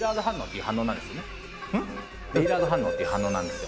「メイラード反応っていう反応なんですよ」